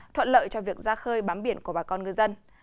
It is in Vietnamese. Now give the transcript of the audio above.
thuận lợi cho việc ra khơi bám biển của bà con ngư dân